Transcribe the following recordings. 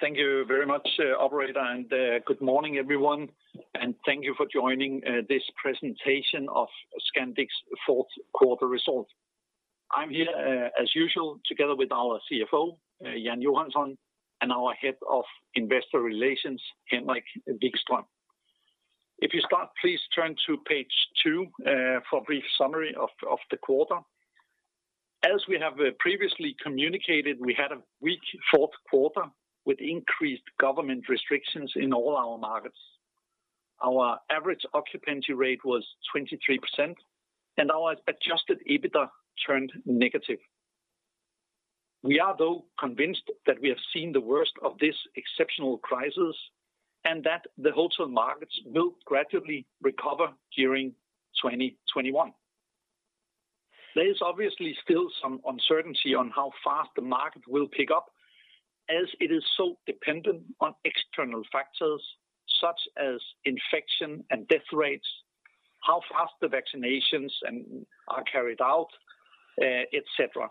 Thank you very much, operator. Good morning, everyone. Thank you for joining this presentation of Scandic's fourth quarter results. I'm here, as usual, together with our CFO, Jan Johansson, and our Head of Investor Relations, Henrik Vikström. If you start, please turn to page two for a brief summary of the quarter. As we have previously communicated, we had a weak fourth quarter with increased government restrictions in all our markets. Our average occupancy rate was 23%, and our adjusted EBITDA turned negative. We are, though, convinced that we have seen the worst of this exceptional crisis and that the hotel markets will gradually recover during 2021. There is obviously still some uncertainty on how fast the market will pick up, as it is so dependent on external factors such as infection and death rates, how fast the vaccinations are carried out, et cetera.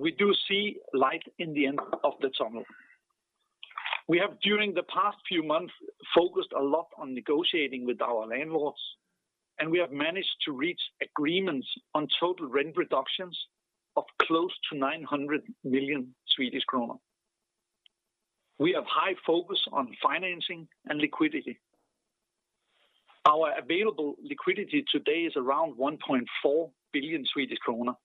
We do see light in the end of the tunnel. We have, during the past few months, focused a lot on negotiating with our landlords, and we have managed to reach agreements on total rent reductions of close to 900 million Swedish kronor. We have high focus on financing and liquidity. Our available liquidity today is around 1.4 billion Swedish kronor,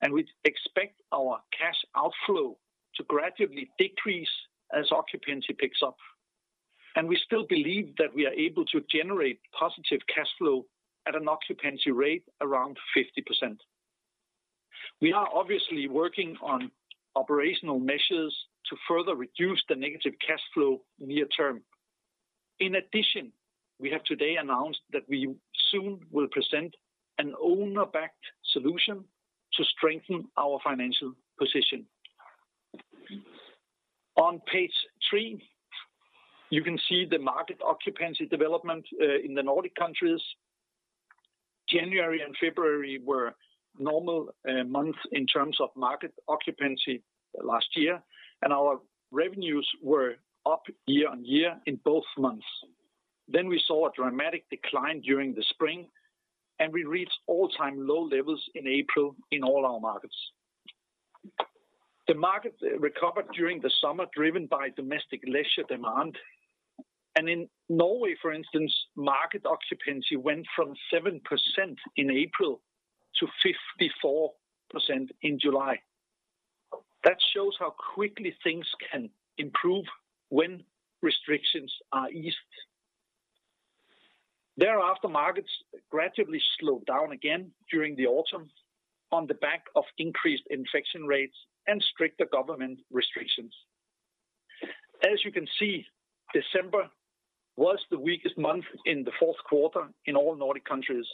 and we expect our cash outflow to gradually decrease as occupancy picks up. We still believe that we are able to generate positive cash flow at an occupancy rate around 50%. We are obviously working on operational measures to further reduce the negative cash flow near-term. In addition, we have today announced that we soon will present an owner-backed solution to strengthen our financial position. On page three, you can see the market occupancy development in the Nordic countries. January and February were normal months in terms of market occupancy last year. Our revenues were up year-on-year in both months. We saw a dramatic decline during the spring, and we reached all-time low levels in April in all our markets. The market recovered during the summer, driven by domestic leisure demand. In Norway, for instance, market occupancy went from 7% in April to 54% in July. That shows how quickly things can improve when restrictions are eased. Thereafter, markets gradually slowed down again during the autumn on the back of increased infection rates and stricter government restrictions. As you can see, December was the weakest month in the fourth quarter in all Nordic countries,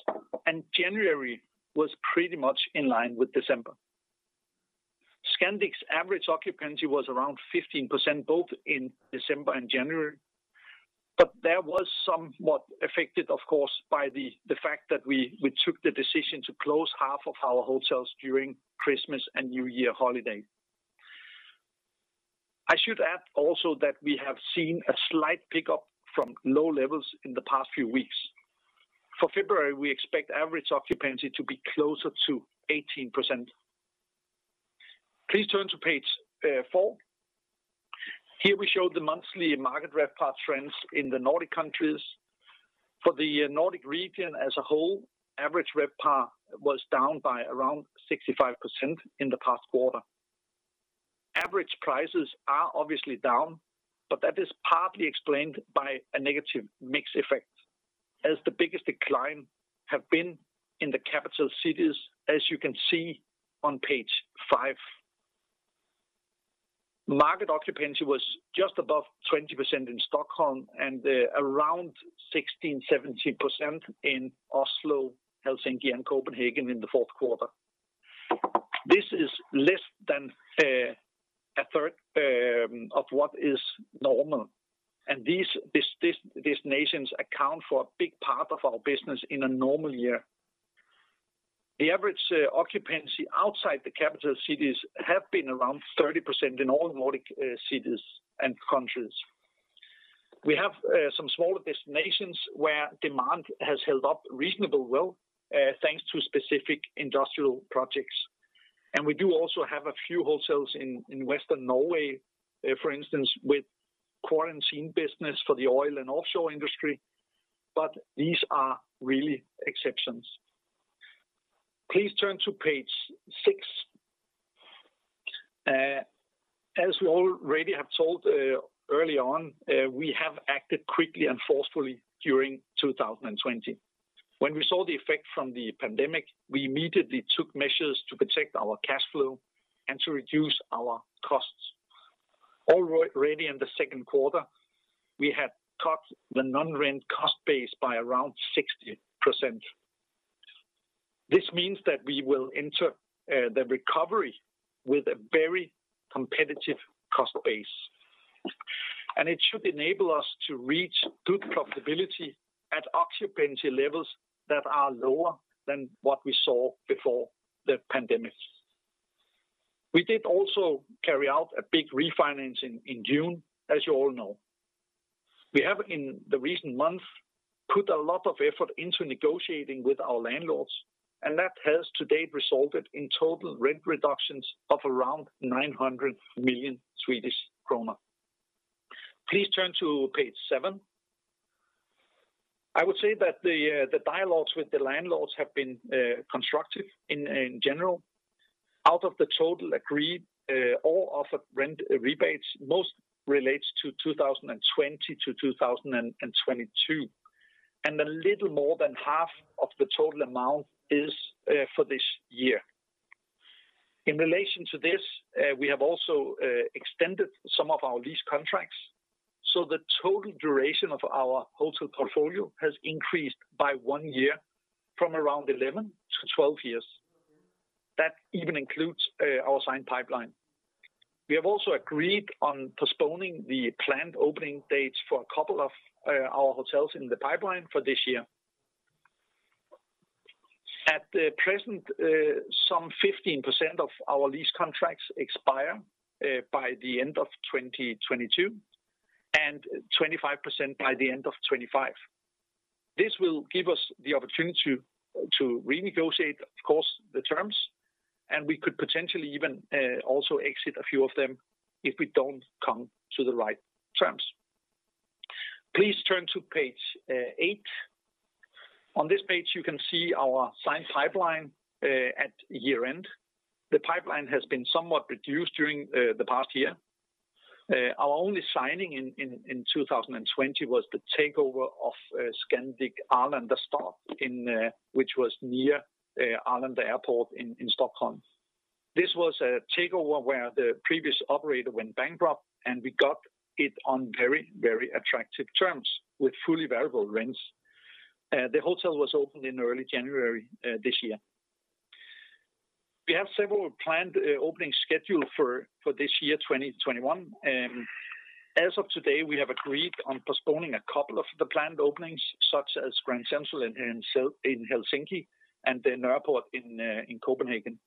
and January was pretty much in line with December. Scandic's average occupancy was around 15%, both in December and January. That was somewhat affected, of course, by the fact that we took the decision to close half of our hotels during Christmas and New Year holiday. I should add also that we have seen a slight pickup from low levels in the past few weeks. For February, we expect average occupancy to be closer to 18%. Please turn to page four. Here we show the monthly market RevPAR trends in the Nordic countries. For the Nordic region as a whole, average RevPAR was down by around 65% in the past quarter. Average prices are obviously down, that is partly explained by a negative mix effect, as the biggest decline have been in the capital cities, as you can see on page five. Market occupancy was just above 20% in Stockholm and around 16%-17% in Oslo, Helsinki, and Copenhagen in the fourth quarter. This is less than a third of what is normal, and these destinations account for a big part of our business in a normal year. The average occupancy outside the capital cities have been around 30% in all Nordic cities and countries. We have some smaller destinations where demand has held up reasonably well thanks to specific industrial projects. We do also have a few hotels in Western Norway, for instance, with quarantine business for the oil and offshore industry, but these are really exceptions. Please turn to page six. We already have told early on, we have acted quickly and forcefully during 2020. When we saw the effect from the pandemic, we immediately took measures to protect our cash flow and to reduce our costs. Already in the second quarter, we had cut the non-rent cost base by around 60%. This means that we will enter the recovery with a very competitive cost base. It should enable us to reach good profitability at occupancy levels that are lower than what we saw before the pandemic. We did also carry out a big refinancing in June, as you all know. We have, in the recent months, put a lot of effort into negotiating with our landlords, and that has to date resulted in total rent reductions of around 900 million Swedish kronor. Please turn to page seven. I would say that the dialogues with the landlords have been constructive in general. Out of the total agreed or offered rent rebates, most relates to 2020 to 2022, and a little more than half of the total amount is for this year. In relation to this, we have also extended some of our lease contracts, so the total duration of our hotel portfolio has increased by one year from around 11 to 12 years. That even includes our signed pipeline. We have also agreed on postponing the planned opening dates for a couple of our hotels in the pipeline for this year. At present, some 15% of our lease contracts expire by the end of 2022, and 25% by the end of 2025. This will give us the opportunity to renegotiate, of course, the terms, and we could potentially even also exit a few of them if we don't come to the right terms. Please turn to page eight. On this page, you can see our signed pipeline at year-end. The pipeline has been somewhat reduced during the past year. Our only signing in 2020 was the takeover of Scandic Arlandastad, which was near Arlanda Airport in Stockholm. This was a takeover where the previous operator went bankrupt, and we got it on very attractive terms with fully variable rents. The hotel was opened in early January this year. We have several planned openings scheduled for this year, 2021. As of today, we have agreed on postponing a couple of the planned openings, such as Grand Central in Helsinki and the Nørreport in Copenhagen.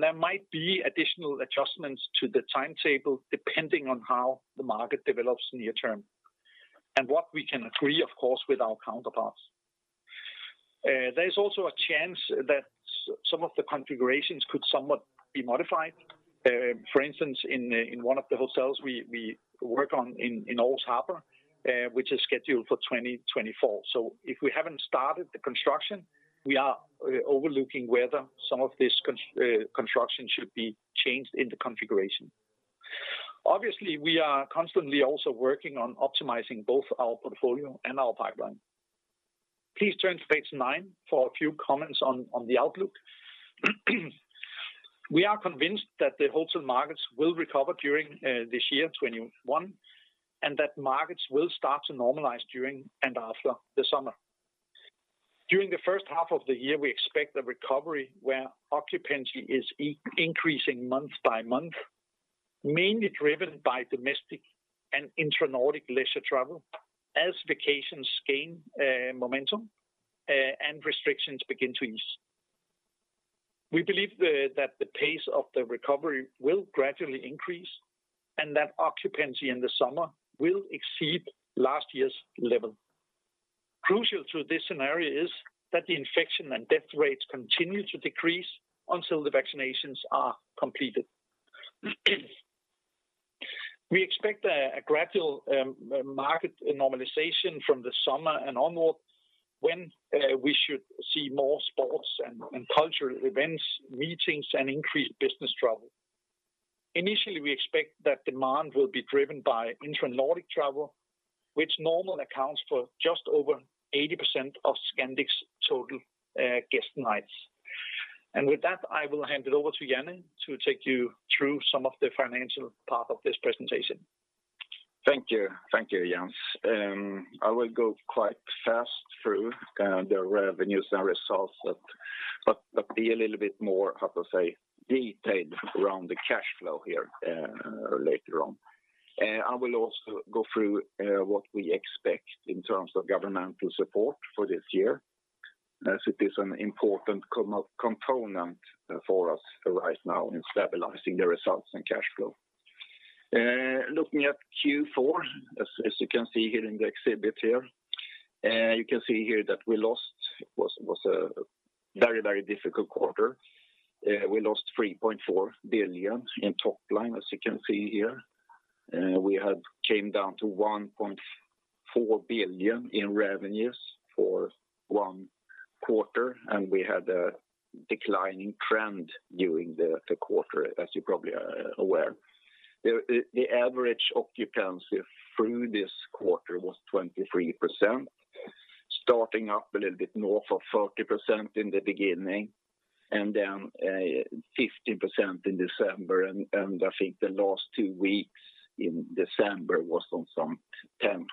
There might be additional adjustments to the timetable depending on how the market develops near term, and what we can agree, of course, with our counterparts. There is also a chance that some of the configurations could somewhat be modified. For instance, in one of the hotels we work on in Ålesund, which is scheduled for 2024. If we haven't started the construction, we are overlooking whether some of this construction should be changed in the configuration. Obviously, we are constantly also working on optimizing both our portfolio and our pipeline. Please turn to page nine for a few comments on the outlook. We are convinced that the hotel markets will recover during this year, 2021, and that markets will start to normalize during and after the summer. During the first half of the year, we expect a recovery where occupancy is increasing month by month, mainly driven by domestic and intra-Nordic leisure travel as vacations gain momentum and restrictions begin to ease. We believe that the pace of the recovery will gradually increase and that occupancy in the summer will exceed last year's level. Crucial to this scenario is that the infection and death rates continue to decrease until the vaccinations are completed. We expect a gradual market normalization from the summer and onward, when we should see more sports and cultural events, meetings, and increased business travel. Initially, we expect that demand will be driven by intra-Nordic travel, which normally accounts for just over 80% of Scandic's total guest nights. With that, I will hand it over to Jan to take you through some of the financial part of this presentation. Thank you, Jens. I will go quite fast through the revenues and results, be a little bit more, how to say, detailed around the cash flow here later on. I will also go through what we expect in terms of governmental support for this year, as it is an important component for us right now in stabilizing the results and cash flow. Looking at Q4, as you can see here in the exhibit here. You can see here that it was a very difficult quarter. We lost 3.4 billion in top line, as you can see here. We had came down to 1.4 billion in revenues for one quarter. We had a declining trend during the quarter, as you probably are aware. The average occupancy through this quarter was 23%, starting up a little bit north of 30% in the beginning and then 15% in December, and I think the last two weeks in December was on some 12%,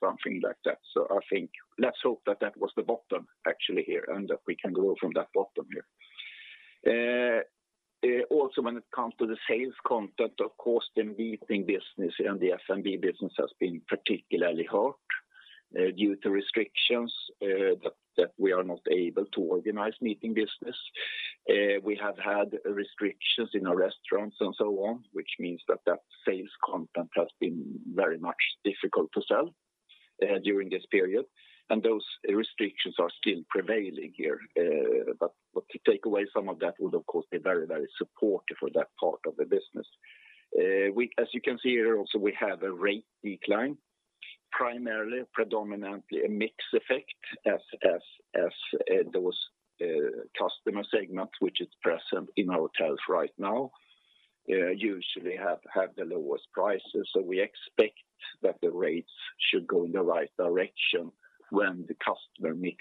something like that. Let's hope that was the bottom actually here, and that we can grow from that bottom here. When it comes to the sales content, of course, the meeting business and the F&B business has been particularly hurt due to restrictions that we are not able to organize meeting business. We have had restrictions in our restaurants and so on, which means that that sales content has been very much difficult to sell during this period. Those restrictions are still prevailing here. To take away some of that would, of course, be very supportive for that part of the business. As you can see here also, we have a rate decline, primarily predominantly a mix effect as those customer segments which are present in our hotels right now usually have the lowest prices. We expect that the rates should go in the right direction when the customer mix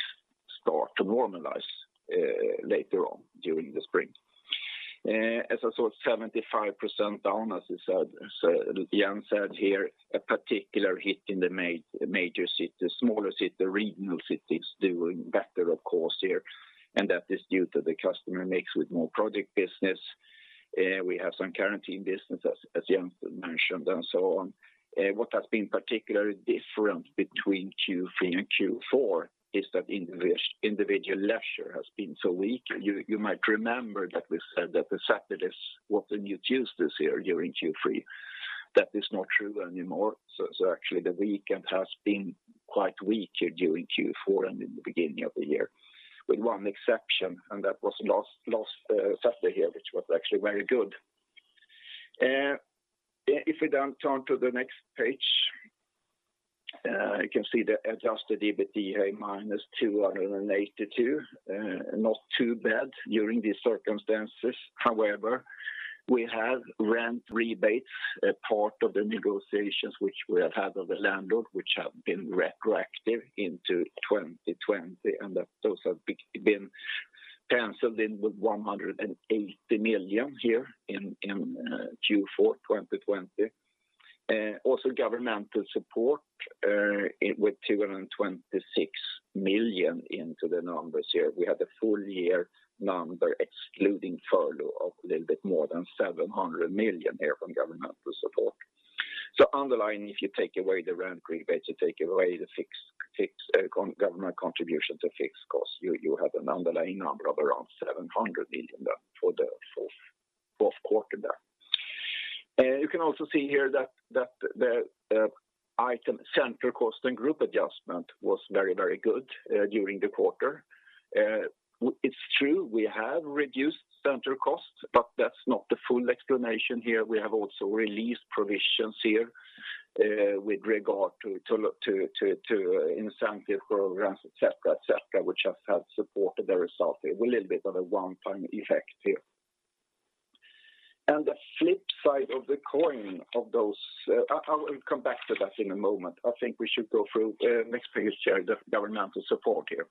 starts to normalize later on during the spring. As I saw it, 65% down, as Jens said here, a particular hit in the major cities. Smaller cities, regional cities, doing better, of course, here, and that is due to the customer mix with more project business. We have some quarantine business as Jens mentioned, and so on. What has been particularly different between Q3 and Q4 is that individual leisure has been so weak. You might remember that we said that the Saturdays were the new Tuesdays here during Q3. That is not true anymore. Actually the weekend has been quite weak here during Q4 and in the beginning of the year, with one exception, and that was last Saturday here, which was actually very good. If we turn to the next page, you can see the adjusted EBITDA, minus 282. Not too bad during these circumstances. However, we have rent rebates as part of the negotiations which we have had with the landlord, which have been retroactive into 2020, and those have been penciled in with 180 million here in Q4, 2020. Also governmental support with 226 million into the numbers here. We have the full-year number excluding furlough of a little bit more than 700 million here from governmental support. Underlying, if you take away the rent rebates, you take away the government contribution to fixed costs, you have an underlying number of around 700 million there for the fourth quarter there. You can also see here that the item central cost and group adjustment was very good during the quarter. It is true we have reduced central costs, but that is not the full explanation here. We have also released provisions here with regard to incentive programs, et cetera, which have supported the result here. A little bit of a one-time effect here. The flip side of the coin of those I will come back to that in a moment. I think we should go through, next page, here, the governmental support here.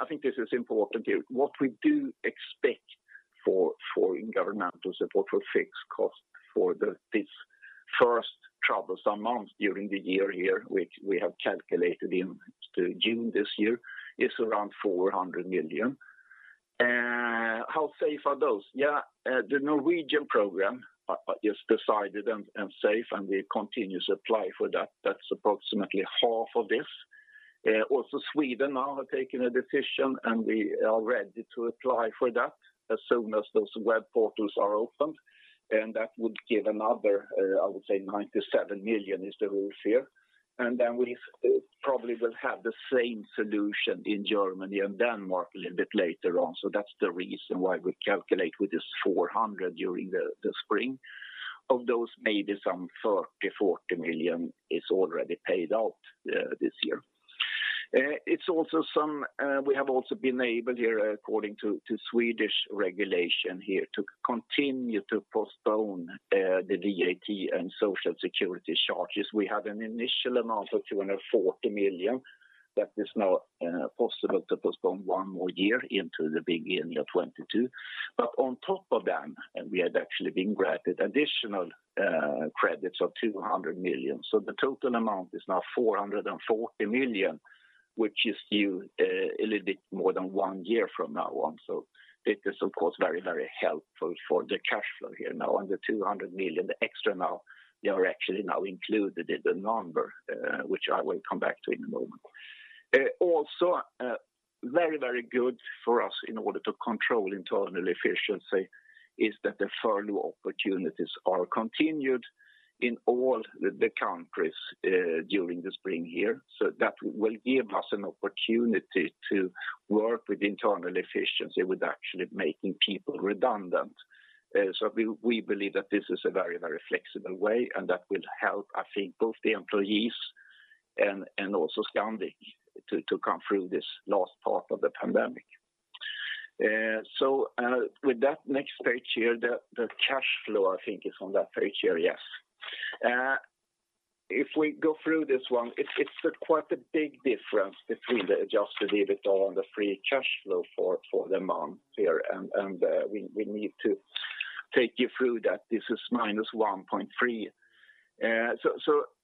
I think this is important here. What we do expect for governmental support for fixed costs for this first troublesome month during the year here, which we have calculated into June this year, is around 400 million. How safe are those? The Norwegian program is decided and safe, and we continue to apply for that. That's approximately half of this. Sweden now have taken a decision, and we are ready to apply for that as soon as those web portals are opened. That would give another, I would say 97 million is the rule here. We probably will have the same solution in Germany and Denmark a little bit later on. That's the reason why we calculate with this 400 million during the spring. Of those, maybe some 30 million, 40 million is already paid out this year. We have also been able here, according to Swedish regulation here, to continue to postpone the VAT and Social Security charges. We had an initial amount of 240 million that is now possible to postpone one more year into the beginning of 2022. On top of that, and we had actually been granted additional credits of 200 million. The total amount is now 440 million, which is due a little bit more than one year from now on. It is, of course, very helpful for the cash flow here. Now under 200 million, the extra now, they are actually now included in the number, which I will come back to in a moment. Also, very good for us in order to control internal efficiency is that the furlough opportunities are continued in all the countries during the spring here. That will give us an opportunity to work with internal efficiency without actually making people redundant. We believe that this is a very flexible way and that will help, I think, both the employees and also Scandic to come through this last part of the pandemic. With that, next page here, the cash flow, I think, is on that page here, yes. If we go through this one, it's quite a big difference between the adjusted EBITDA and the free cash flow for the month here. We need to take you through that this is -1.3.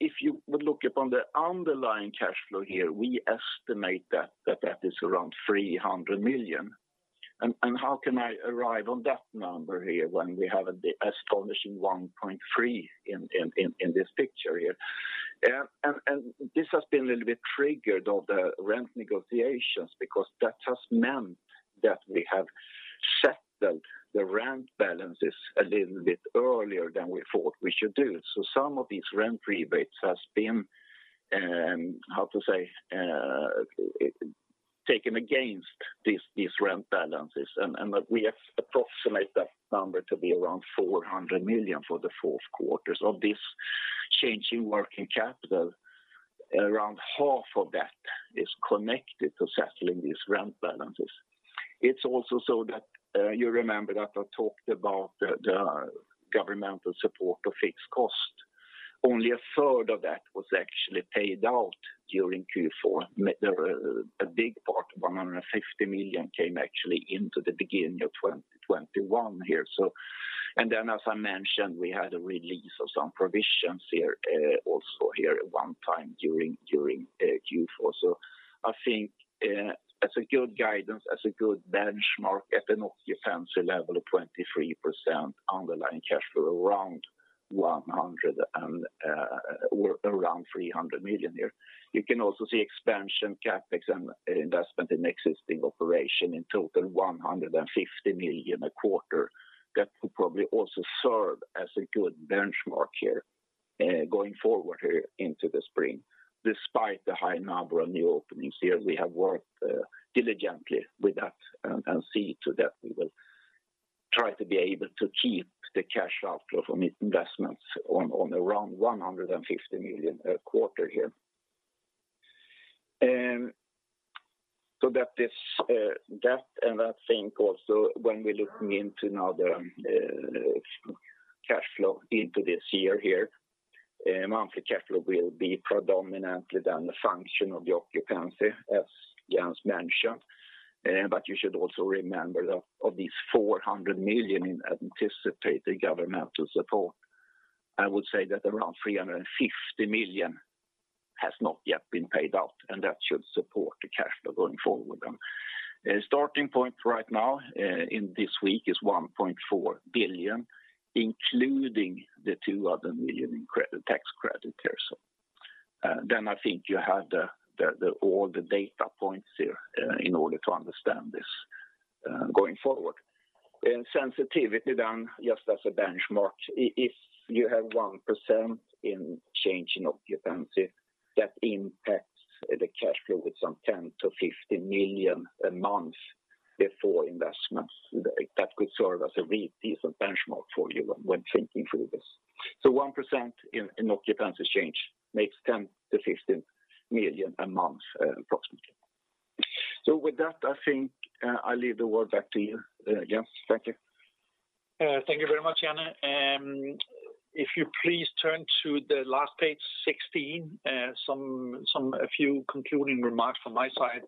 If you would look upon the underlying cash flow here, we estimate that that is around 300 million. How can I arrive on that number here when we have the astonishing 1.3 in this picture here? This has been a little bit triggered of the rent negotiations because that has meant that we have settled the rent balances a little bit earlier than we thought we should do. Some of these rent rebates has been, how to say, taken against these rent balances, and that we approximate that number to be around 400 million for the fourth quarters of this change in working capital. Around half of that is connected to settling these rent balances. It's also so that, you remember that I talked about the governmental support of fixed cost. Only a third of that was actually paid out during Q4. A big part, 150 million, came actually into the beginning of 2021 here. As I mentioned, we had a release of some provisions here, also here at one time during Q4. I think, as a good guidance, as a good benchmark at an occupancy level of 23% underlying cash flow around 300 million here. You can also see expansion, CapEx, and investment in existing operation in total, 150 million a quarter. That will probably also serve as a good benchmark here, going forward here into the spring. Despite the high number of new openings here, we have worked diligently with that and see to that we will try to be able to keep the cash outflow from investments on around 150 million a quarter here. That, and I think also when we're looking into now the cash flow into this year here, monthly cash flow will be predominantly then a function of the occupancy, as Jens mentioned. You should also remember that of these 400 million in anticipated governmental support, I would say that around 350 million has not yet been paid out, and that should support the cash flow going forward then. Starting point right now, in this week, is 1.4 billion, including the 200 million in tax credit here. I think you have all the data points here, in order to understand this going forward. In sensitivity, just as a benchmark, if you have 1% in change in occupancy, that impacts the cash flow with some 10 million-15 million a month before investments. That could serve as a reasonable benchmark for you when thinking through this. 1% in occupancy change makes 10 million-15 million a month, approximately. With that, I think I leave the word back to you, Jens. Thank you. Thank you very much, Jan. If you please turn to the last page 16, a few concluding remarks from my side.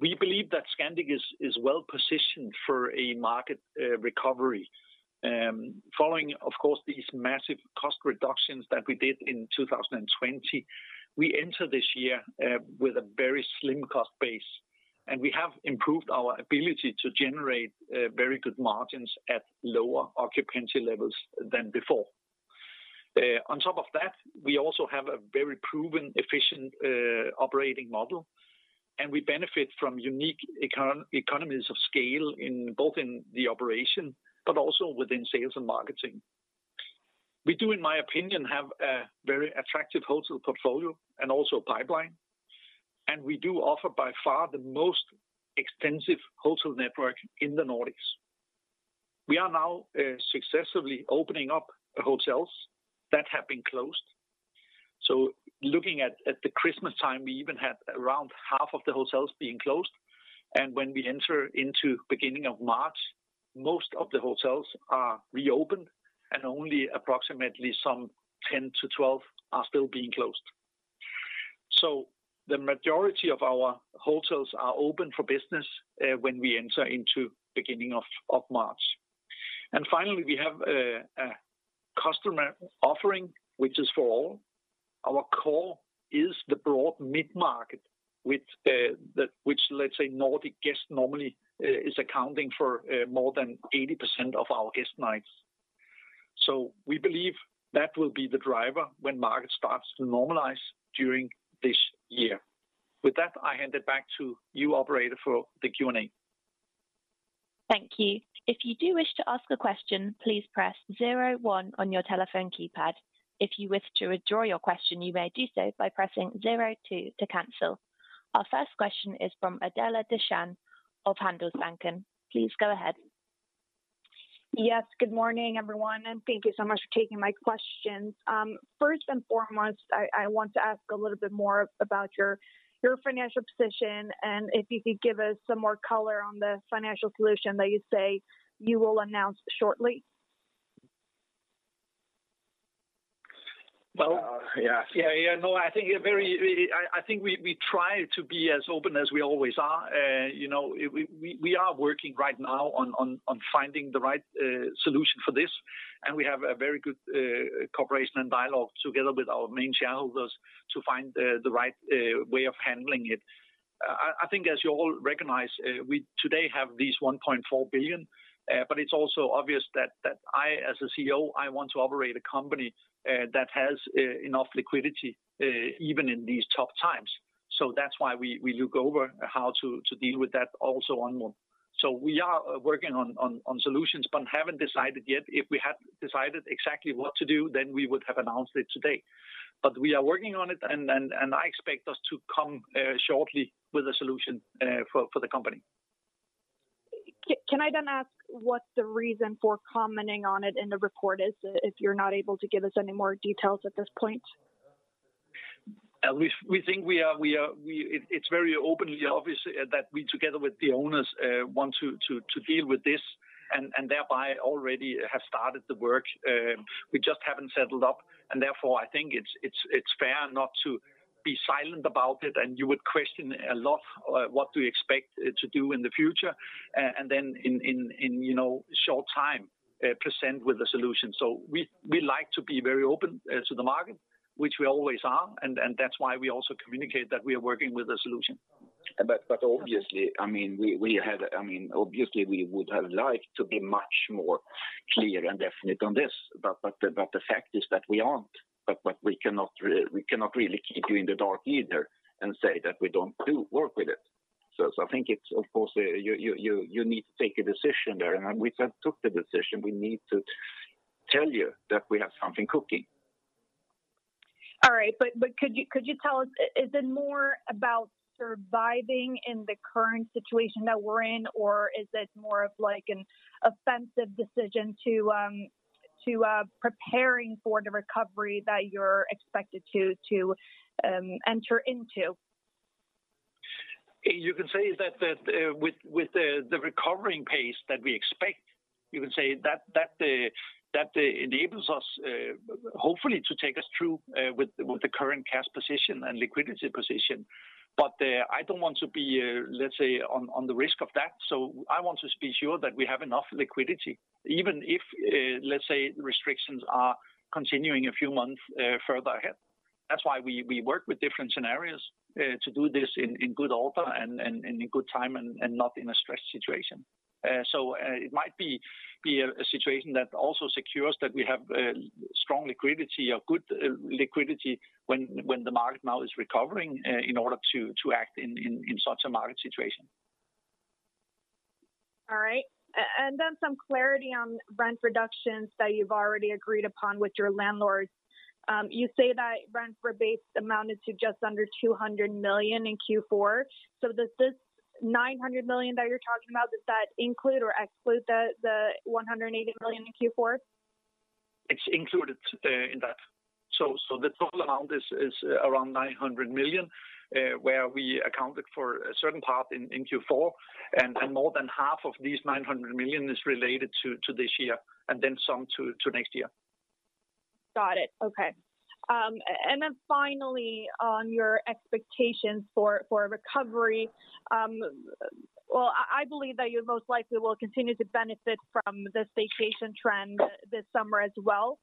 We believe that Scandic is well-positioned for a market recovery. Following, of course, these massive cost reductions that we did in 2020, we enter this year with a very slim cost base, and we have improved our ability to generate very good margins at lower occupancy levels than before. On top of that, we also have a very proven efficient operating model, and we benefit from unique economies of scale both in the operation but also within sales and marketing. We do, in my opinion, have a very attractive hotel portfolio and also pipeline, and we do offer by far the most extensive hotel network in the Nordics. We are now successfully opening up hotels that have been closed. Looking at the Christmas time, we even had around half of the hotels being closed. When we enter into beginning of March, most of the hotels are reopened and only approximately some 10 to 12 are still being closed. The majority of our hotels are open for business when we enter into beginning of March. Finally, we have a customer offering, which is for all. Our core is the broad mid-market, which let's say Nordic guests normally is accounting for more than 80% of our guest nights. We believe that will be the driver when market starts to normalize during this year. With that, I hand it back to you, operator, for the Q&A. Our first question is from Adela Dashian of Handelsbanken. Please go ahead. Yes. Good morning, everyone, and thank you so much for taking my questions. First and foremost, I want to ask a little bit more about your financial position and if you could give us some more color on the financial solution that you say you will announce shortly. Well, yes. I think we try to be as open as we always are. We are working right now on finding the right solution for this, and we have a very good cooperation and dialogue together with our main shareholders to find the right way of handling it. I think as you all recognize, we today have this 1.4 billion. It's also obvious that I, as a CEO, I want to operate a company that has enough liquidity, even in these tough times. That's why we look over how to deal with that also onward. We are working on solutions but haven't decided yet. If we had decided exactly what to do, we would have announced it today. We are working on it, and I expect us to come shortly with a solution for the company. Can I ask what the reason for commenting on it in the report is, if you're not able to give us any more details at this point? It's very openly obvious that we, together with the owners, want to deal with this, and thereby already have started the work. We just haven't settled up, and therefore, I think it's fair not to be silent about it, and you would question a lot what we expect to do in the future, and then in a short time, present with a solution. We like to be very open to the market, which we always are, and that's why we also communicate that we are working with a solution. Obviously, we would have liked to be much more clear and definite on this. The fact is that we aren't. We cannot really keep you in the dark either and say that we don't work with it. I think it's, of course, you need to take a decision there, and we took the decision. We need to tell you that we have something cooking. All right. Could you tell us, is it more about surviving in the current situation that we're in, or is it more of an offensive decision to preparing for the recovery that you're expected to enter into? You can say that with the recovering pace that we expect, you can say that enables us, hopefully, to take us through with the current cash position and liquidity position. I don't want to be, let's say, on the risk of that. I want to be sure that we have enough liquidity, even if, let's say, restrictions are continuing a few months further ahead. That's why we work with different scenarios to do this in good order and in good time and not in a stress situation. It might be a situation that also secures that we have strong liquidity or good liquidity when the market now is recovering in order to act in such a market situation. All right. Then some clarity on rent reductions that you've already agreed upon with your landlords. You say that rent rebates amounted to just under 200 million in Q4. So does this 900 million that you're talking about, does that include or exclude the 180 million in Q4? It's included in that. The total amount is around 900 million, where we accounted for a certain part in Q4, and more than half of these 900 million is related to this year, and then some to next year. Got it. Okay. Finally, on your expectations for recovery. Well, I believe that you most likely will continue to benefit from the staycation trend this summer as well.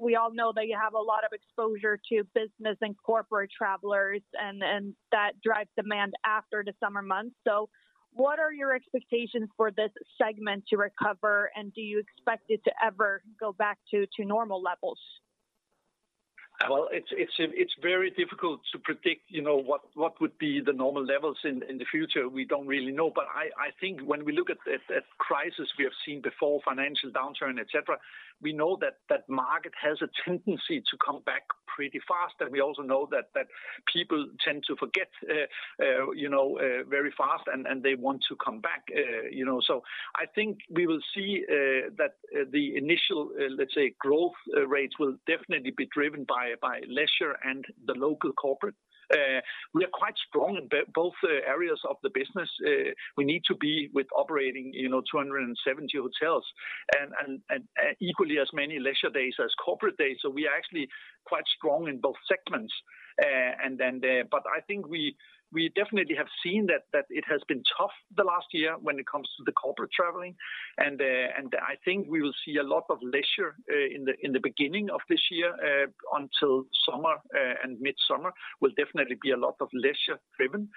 We all know that you have a lot of exposure to business and corporate travelers, and that drives demand after the summer months. What are your expectations for this segment to recover, and do you expect it to ever go back to normal levels? It's very difficult to predict what would be the normal levels in the future. We don't really know. I think when we look at crisis we have seen before, financial downturn, et cetera, we know that that market has a tendency to come back pretty fast. We also know that people tend to forget very fast, and they want to come back. I think we will see that the initial, let's say, growth rates will definitely be driven by leisure and the local corporate. We are quite strong in both areas of the business. We need to be with operating 270 hotels and equally as many leisure days as corporate days. We are actually quite strong in both segments. I think we definitely have seen that it has been tough the last year when it comes to the corporate traveling. I think we will see a lot of leisure in the beginning of this year until summer and midsummer, will definitely be a lot of leisure driven.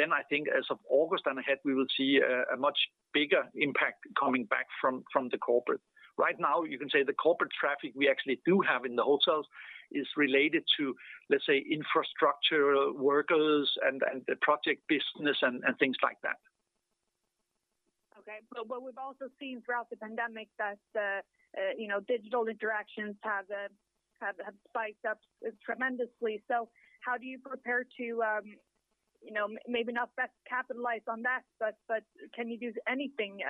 Then I think as of August and ahead, we will see a much bigger impact coming back from the corporate. Right now, you can say the corporate traffic we actually do have in the hotels is related to, let's say, infrastructure workers and the project business and things like that. Okay. What we've also seen throughout the pandemic that digital interactions have spiked up tremendously. How do you prepare to, maybe not best capitalize on that, but can you do anything?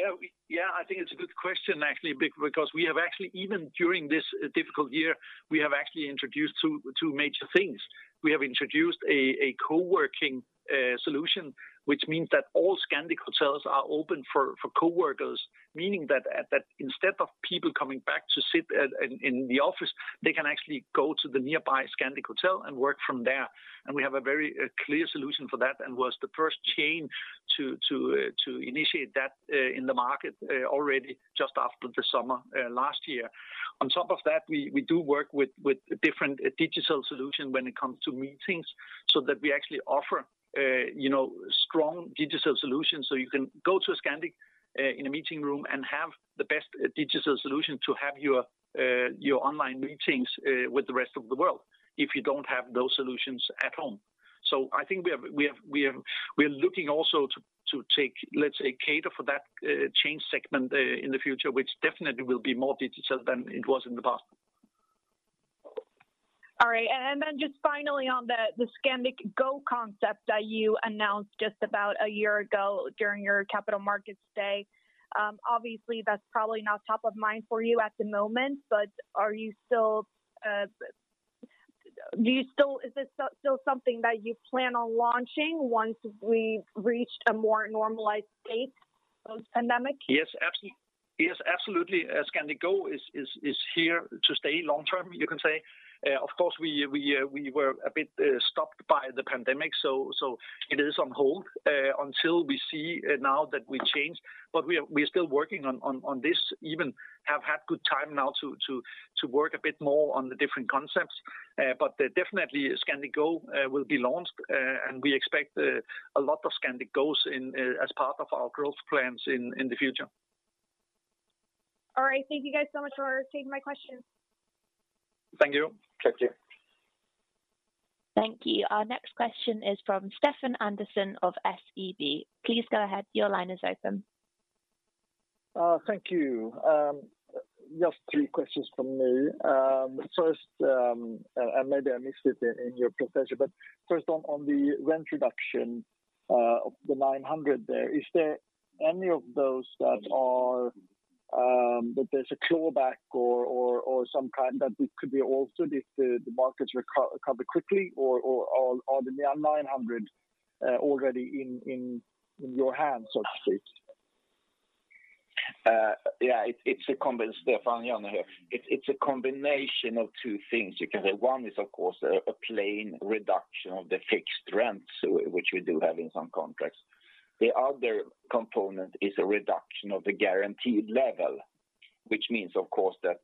I think it's a good question, actually, because even during this difficult year, we have actually introduced two major things. We have introduced a co-working solution, which means that all Scandic Hotels are open for co-workers, meaning that instead of people coming back to sit in the office, they can actually go to the nearby Scandic hotel and work from there. We have a very clear solution for that and was the first chain to initiate that in the market already just after the summer last year. On top of that, we do work with different digital solutions when it comes to meetings, so that we actually offer strong digital solutions. You can go to a Scandic in a meeting room and have the best digital solution to have your online meetings with the rest of the world if you don't have those solutions at home. I think we're looking also to cater for that change segment in the future, which definitely will be more digital than it was in the past. All right. Then just finally on the Scandic Go concept that you announced just about a year ago during your capital markets day. Obviously, that's probably not top of mind for you at the moment, but is it still something that you plan on launching once we've reached a more normalized state post-pandemic? Yes, absolutely. Scandic Go is here to stay long-term, you can say. We were a bit stopped by the pandemic, so it is on hold until we see now that we change. We are still working on this, even have had good time now to work a bit more on the different concepts. Definitely Scandic Go will be launched, and we expect a lot of Scandic Go as part of our growth plans in the future. All right. Thank you guys so much for taking my questions. Thank you. Thank you. Thank you. Our next question is from Stefan Andersson of SEB. Please go ahead. Your line is open. Thank you. Just three questions from me. First, maybe I missed it in your presentation, first on the rent reduction of the 900 there, is there any of those that there's a clawback or some kind that it could be also if the markets recover quickly or are there near 900 already in your hands, so to speak? Stefan, Jan here. It's a combination of two things. You can say one is, of course, a plain reduction of the fixed rents, which we do have in some contracts. The other component is a reduction of the guaranteed level, which means, of course, the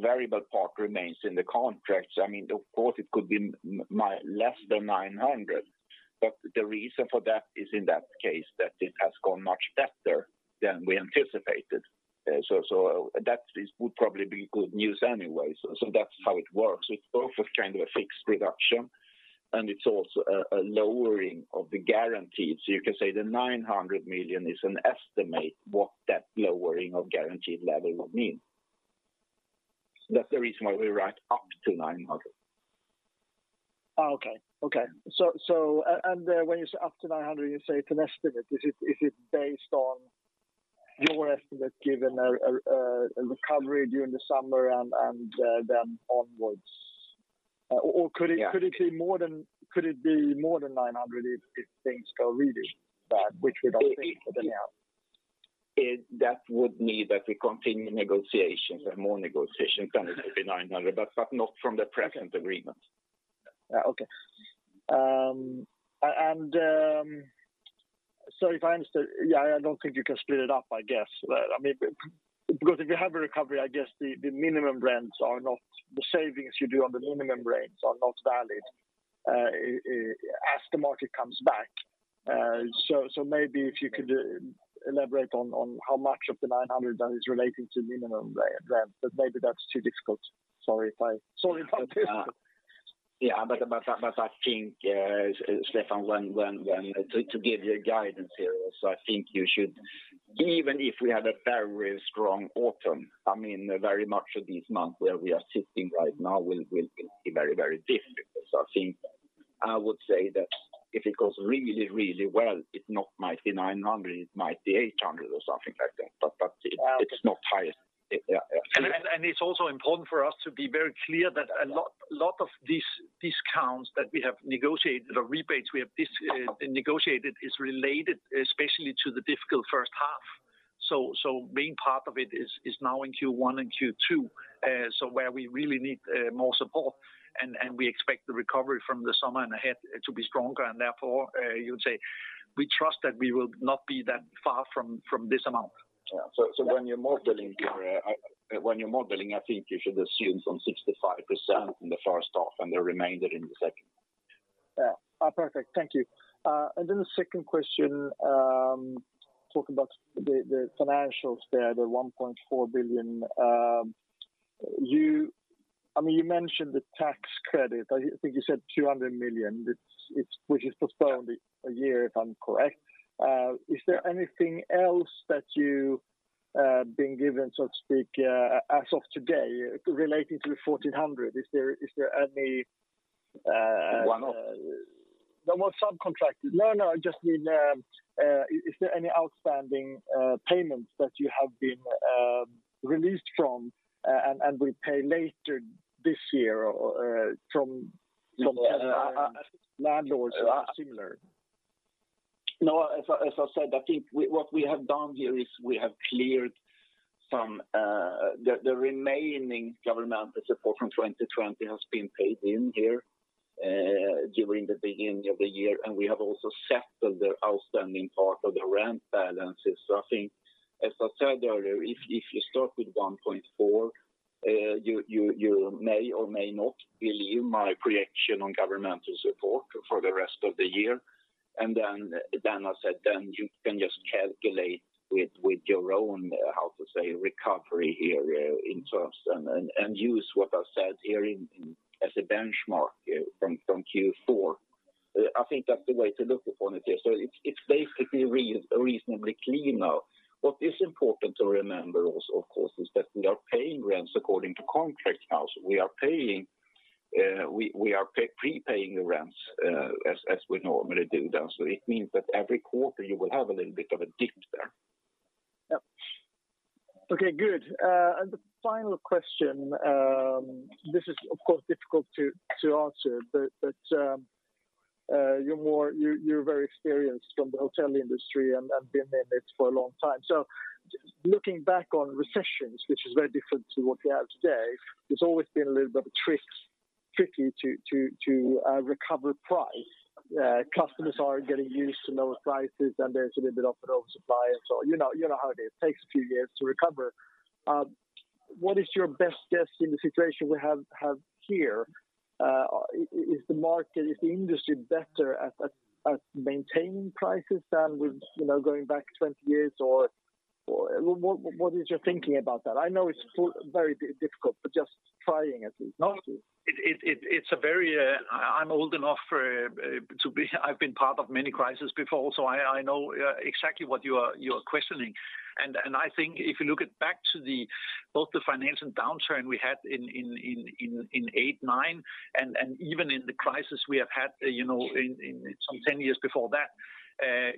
variable part remains in the contracts. Of course, it could be less than 900, the reason for that is in that case that it has gone much better than we anticipated. That would probably be good news anyway. That's how it works. It's both a kind of a fixed reduction and it's also a lowering of the guaranteed. You can say the 900 million is an estimate what that lowering of guaranteed level would mean. That's the reason why we write up to 900. Okay. When you say up to 900, you say it's an estimate. Is it based on your estimate given a recovery during the summer and then onwards? Yeah Be more than 900 if things go really bad, which we don't think for the now? That would mean that we continue negotiations and more negotiations, then it will be 900, but not from the present agreement. Okay. If I understood, I don't think you can split it up, I guess. If you have a recovery, I guess the savings you do on the minimum rents are not valid as the market comes back. Maybe if you could elaborate on how much of the 900 that is relating to minimum rent, but maybe that's too difficult. Yeah. I think, Stefan, to give you a guidance here also, I think even if we had a very strong autumn, very much of this month where we are sitting right now will be very difficult. I think I would say that if it goes really well, it not might be 900, it might be 800 or something like that. It's not higher. Yeah. It's also important for us to be very clear that a lot of these discounts that we have negotiated, or rebates we have negotiated is related especially to the difficult first half. Being part of it is now in Q1 and Q2. Where we really need more support and we expect the recovery from the summer and ahead to be stronger, and therefore, you would say we trust that we will not be that far from this amount. Yeah. When you're modeling, I think you should assume some 65% in the first half and the remainder in the second. Yeah. Perfect. Thank you. The second question, talking about the financials there, the 1.4 billion. You mentioned the tax credit, I think you said 200 million, which is postponed a year, if I'm correct. Is there anything else that you, being given, so to speak, as of today relating to the 1,400? Is there any One-off The most subcontracted. No, I just mean, is there any outstanding payments that you have been released from, and will pay later this year or from landlords or similar? As I said, I think what we have done here is we have cleared some. The remaining governmental support from 2020 has been paid in here during the beginning of the year, and we have also settled the outstanding part of the rent balances. I think as I said earlier, if you start with 1.4, you may or may not believe my projection on governmental support for the rest of the year. I said, then you can just calculate with your own, how to say, recovery here in terms, and use what I said here as a benchmark from Q4. I think that's the way to look upon it there. It's basically reasonably clean now. What is important to remember also, of course, is that we are paying rents according to contract now. We are prepaying the rents, as we normally do. It means that every quarter you will have a little bit of a dip there. Yep. Okay, good. The final question. This is, of course, difficult to answer. You're very experienced from the hotel industry and have been in it for a long time. Looking back on recessions, which is very different to what we have today, it's always been a little bit tricky to recover price. Customers are getting used to lower prices, and there's a little bit of an oversupply. You know how it is. Takes a few years to recover. What is your best guess in the situation we have here? Is the industry better at maintaining prices than with going back 20 years, or what is your thinking about that? I know it's very difficult, but just trying, at least. No. I'm old enough. I've been part of many crises before, so I know exactly what you are questioning. I think if you look at back to both the financial downturn we had in 2008, 2009, and even in the crisis we have had some 10 years before that,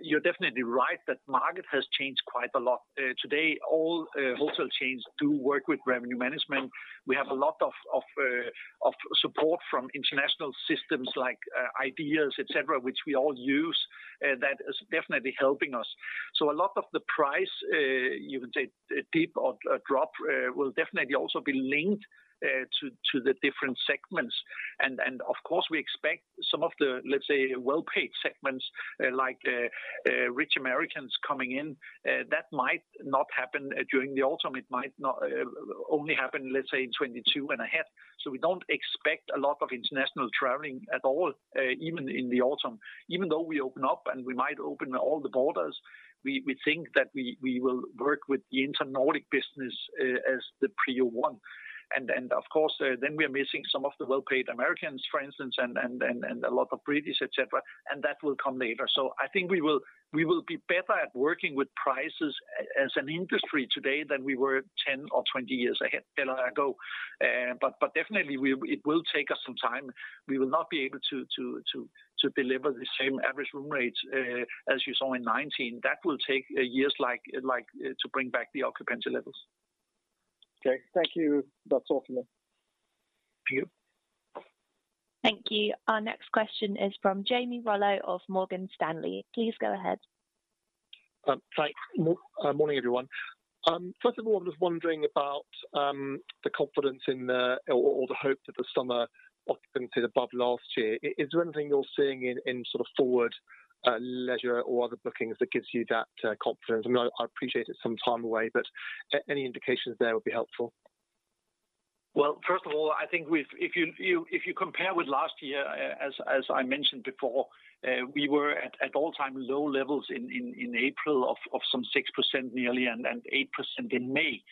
you're definitely right that market has changed quite a lot. Today, all hotel chains do work with revenue management. We have a lot of support from international systems like IDeaS, et cetera, which we all use. That is definitely helping us. A lot of the price, you would say dip or drop, will definitely also be linked to the different segments. Of course, we expect some of the, let's say, well-paid segments, like rich Americans coming in, that might not happen during the autumn. It might only happen, let's say, in 2022 and ahead. We don't expect a lot of international traveling at all, even in the autumn. Even though we open up and we might open all the borders, we think that we will work with the intra-Nordic business as the prior one. Of course, then we are missing some of the well-paid Americans, for instance, and a lot of British, et cetera, and that will come later. I think we will be better at working with prices as an industry today than we were 10 or 20 years ago. Definitely, it will take us some time. We will not be able to deliver the same average room rates as you saw in 2019. That will take years to bring back the occupancy levels. Okay. Thank you. That's all from me. Thank you. Thank you. Our next question is from Jamie Rollo of Morgan Stanley. Please go ahead. Thanks. Morning, everyone. First of all, I'm just wondering about the confidence in the, or the hope that the summer occupancy is above last year. Is there anything you're seeing in sort of forward leisure or other bookings that gives you that confidence? I know, I appreciate it's some time away, but any indications there would be helpful. Well, first of all, I think if you compare with last year, as I mentioned before, we were at all-time low levels in April of some 6% nearly, and 8% in May.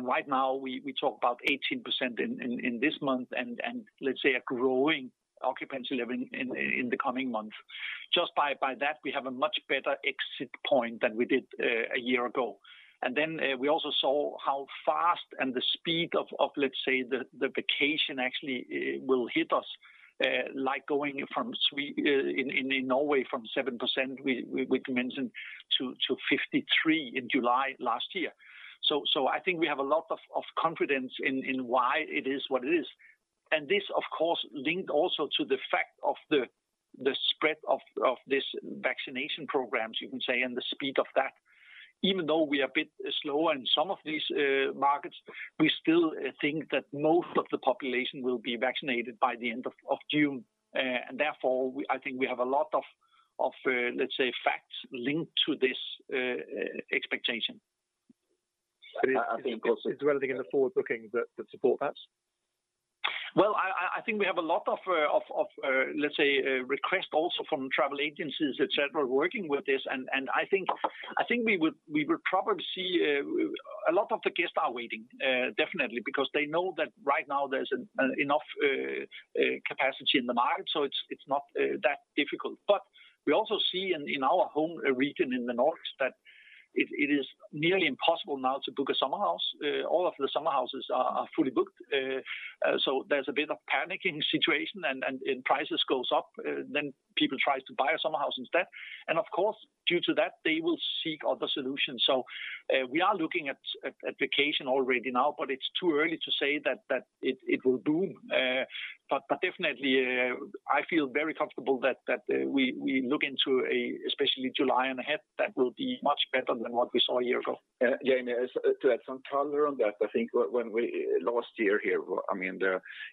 Right now, we talk about 18% in this month and let's say a growing occupancy level in the coming months. Just by that, we have a much better exit point than we did a year ago. We also saw how fast and the speed of, let's say, the vacation actually will hit us, like going in Norway from 7% we mentioned to 54% in July last year. I think we have a lot of confidence in why it is what it is. This, of course, linked also to the fact of the spread of these vaccination programs, you can say, and the speed of that. Even though we are a bit slow in some of these markets, we still think that most of the population will be vaccinated by the end of June. Therefore, I think we have a lot of, let's say, facts linked to this expectation. Is there anything in the forward bookings that support that? I think we have a lot of, let's say, requests also from travel agencies, et cetera, working with this. I think we would probably see a lot of the guests are waiting, definitely. Because they know that right now there's enough capacity in the market, so it's not that difficult. We also see in our home region in the Nordics that it is nearly impossible now to book a summer house. All of the summer houses are fully booked. There's a bit of panicking situation, and prices goes up. People try to buy a summer house instead. Of course, due to that, they will seek other solutions. We are looking at vacation already now, but it's too early to say that it will boom. Definitely, I feel very comfortable that we look into, especially July and ahead, that will be much better than what we saw a year ago. Jamie, to add some color on that, I think last year here,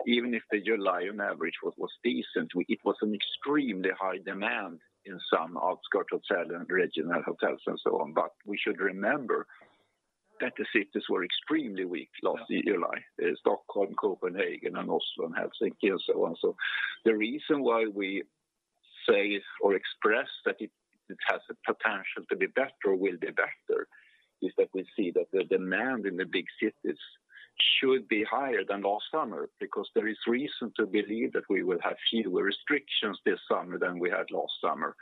even if the July on average was decent, it was an extremely high demand in some outskirt hotel and regional hotels and so on. We should remember that the cities were extremely weak last July, Stockholm, Copenhagen, and Oslo, and Helsinki and so on. The reason why we say or express that it has the potential to be better or will be better is that we see that the demand in the big cities should be higher than last summer, because there is reason to believe that we will have fewer restrictions this summer than we had last summer.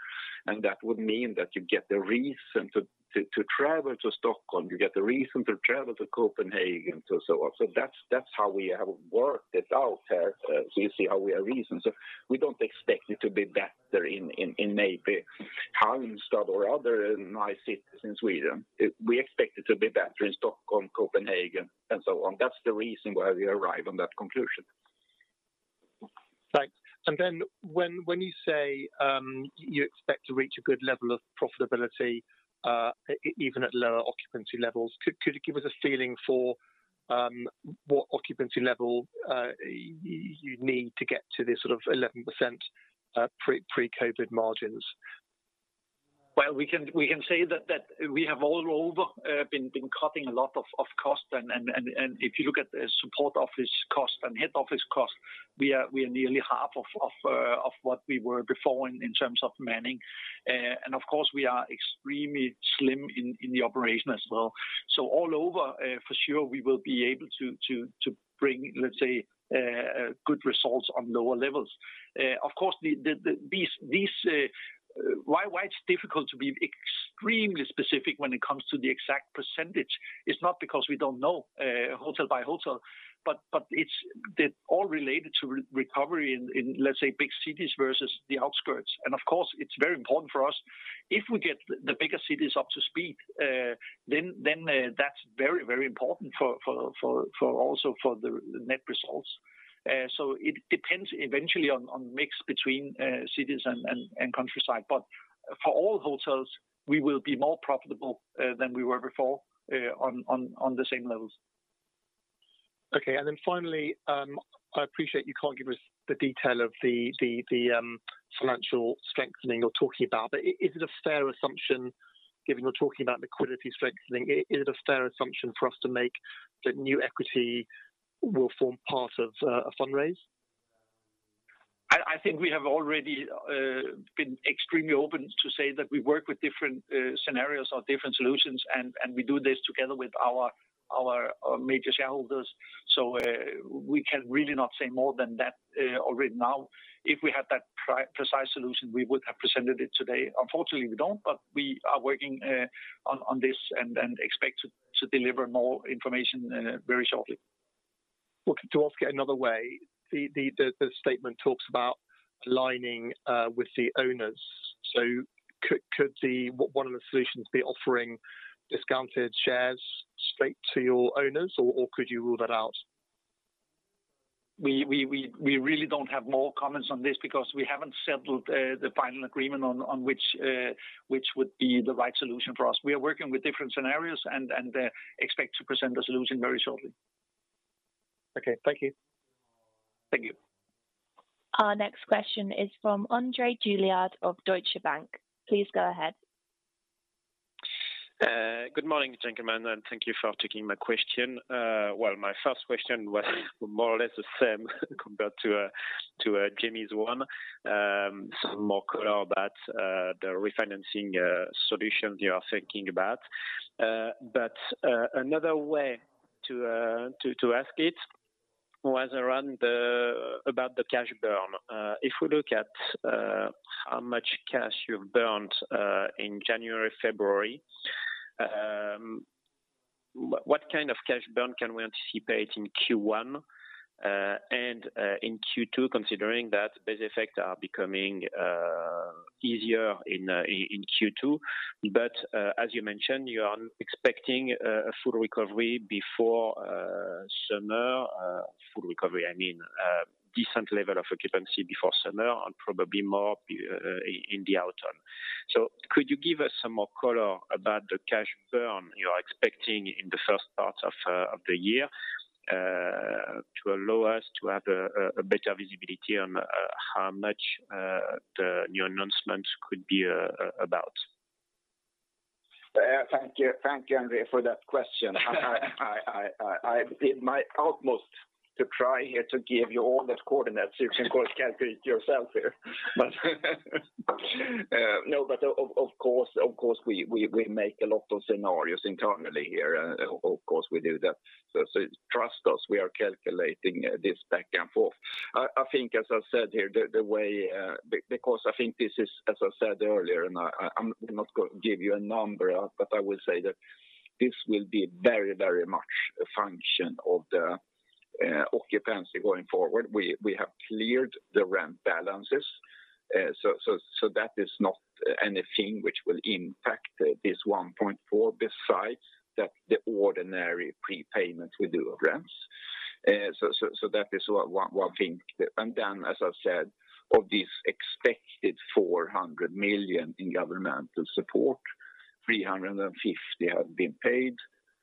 That would mean that you get the reason to travel to Stockholm, you get the reason to travel to Copenhagen, so on. That's how we have worked it out here. You see how we are reasoned. We don't expect it to be better in maybe Halmstad or other nice cities in Sweden. We expect it to be better in Stockholm, Copenhagen, and so on. That's the reason why we arrived on that conclusion. Thanks. When you say, you expect to reach a good level of profitability, even at lower occupancy levels, could you give us a feeling for what occupancy level you'd need to get to this sort of 11% pre-COVID margins? Well, we can say that we have all over been cutting a lot of cost. If you look at the support office cost and head office cost, we are nearly half of what we were before in terms of manning. Of course, we are extremely slim in the operation as well. All over, for sure, we will be able to bring, let's say, good results on lower levels. Of course, why it's difficult to be extremely specific when it comes to the exact % is not because we don't know hotel by hotel, but it's all related to recovery in, let's say, big cities versus the outskirts. Of course, it's very important for us if we get the bigger cities up to speed, then that's very important also for the net results. It depends eventually on mix between cities and countryside. For all hotels, we will be more profitable than we were before, on the same levels. Finally, I appreciate you can't give us the detail of the financial strengthening you're talking about. Given you're talking about liquidity strengthening, is it a fair assumption for us to make that new equity will form part of a fundraise? I think we have already been extremely open to say that we work with different scenarios or different solutions, and we do this together with our major shareholders. We can really not say more than that already now. If we had that precise solution, we would have presented it today. Unfortunately, we don't, but we are working on this and expect to deliver more information very shortly. Looking to ask it another way, the statement talks about aligning with the owners. Could one of the solutions be offering discounted shares straight to your owners, or could you rule that out? We really don't have more comments on this because we haven't settled the final agreement on which would be the right solution for us. We are working with different scenarios and expect to present a solution very shortly. Okay. Thank you. Thank you. Our next question is from André Juillard of Deutsche Bank. Please go ahead. Good morning, gentlemen, and thank you for taking my question. Well, my first question was more or less the same compared to Jamie's one. Some more color about the refinancing solutions you are thinking about. Another way to ask it was around about the cash burn. If we look at how much cash you've burned in January, February, what kind of cash burn can we anticipate in Q1 and in Q2, considering that base effect are becoming easier in Q2? As you mentioned, you are expecting a full recovery before summer. Full recovery, I mean, decent level of occupancy before summer and probably more in the autumn. Could you give us some more color about the cash burn you're expecting in the first part of the year, to allow us to have a better visibility on how much the new announcement could be about? Thank you. Thank you, André, for that question. I did my utmost to try here to give you all the coordinates. You can, of course, calculate yourself here. Of course, we make a lot of scenarios internally here. Of course, we do that. Trust us, we are calculating this back and forth. I think, as I said here, because I think this is, as I said earlier, and I'm not going to give you a number, but I will say that this will be very much a function of the occupancy going forward. We have cleared the rent balances. That is not anything which will impact this 1.4 besides that the ordinary prepayment we do of rents. That is one thing. As I've said, of this expected 400 million in governmental support, 350 million have been paid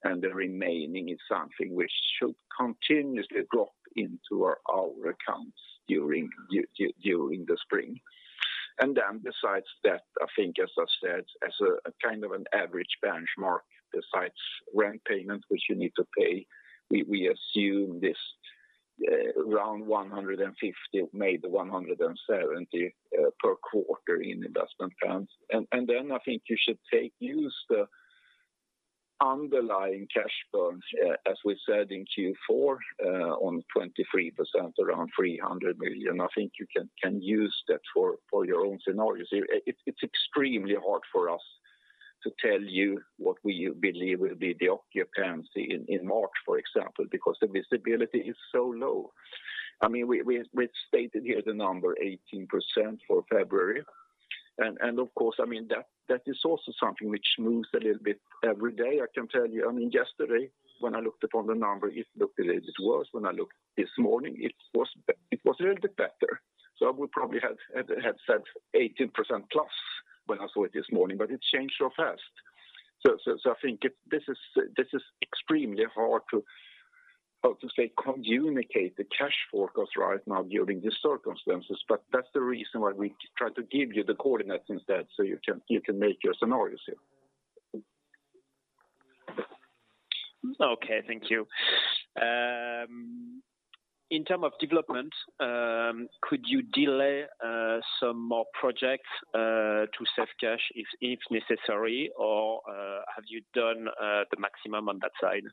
and the remaining is something which should continuously drop into our accounts during the spring. Besides that, I think as I've said, as a kind of an average benchmark, besides rent payment, which you need to pay, we assume this round 150 million, maybe 170 million per quarter in investment plans. I think you should use the underlying cash burn, as we said in Q4, on 23%, around 300 million. I think you can use that for your own scenarios. It's extremely hard for us to tell you what we believe will be the occupancy in March, for example, because the visibility is so low. We've stated here the number 18% for February. Of course, that is also something which moves a little bit every day, I can tell you. Yesterday, when I looked upon the number, it looked a little bit worse. When I looked this morning, it was a little bit better. I would probably have said 18% plus when I saw it this morning, but it changed so fast. I think this is extremely hard to, how to say, communicate the cash forecast right now during the circumstances, but that's the reason why we try to give you the coordinates instead so you can make your scenarios here. Okay. Thank you. In term of development, could you delay some more projects to save cash if necessary, or have you done the maximum on that side?